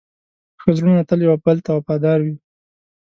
ښه زړونه تل یو بل ته وفادار وي.